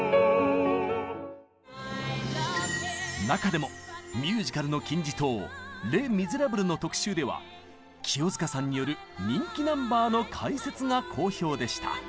中でもミュージカルの金字塔「レ・ミゼラブル」の特集では清塚さんによる人気ナンバーの解説が好評でした。